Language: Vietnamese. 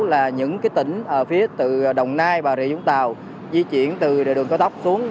là những tỉnh ở phía từ đồng nai và rịa dũng tàu di chuyển từ đường có tóc xuống